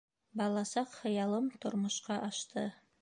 — Бала саҡ хыялым тормошҡа ашты.